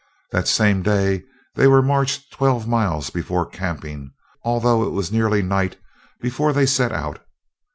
That same day they were marched twelve miles before camping, although it was nearly night before they set out.